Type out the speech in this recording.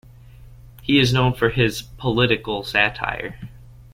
He is known for his "political" satire.